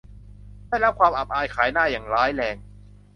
ได้รับความอับอายขายหน้าอย่างร้ายแรง